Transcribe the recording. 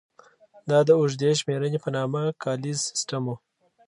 دا د اوږدې شمېرنې په نامه کالیز سیستم و.